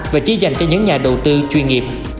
và chỉ dành cho những nhà đầu tư chuyên nghiệp